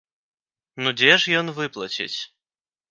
Ну дзе ж ён выплаціць?